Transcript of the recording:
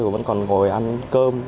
vẫn còn ngồi ăn cơm